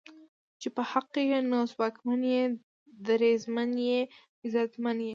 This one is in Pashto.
چې په حق ئې نو ځواکمن یې، دریځمن یې، عزتمن یې